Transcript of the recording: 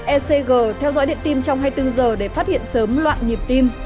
ecg theo dõi điện tim trong hai mươi bốn giờ để phát hiện sớm loạn nhịp tim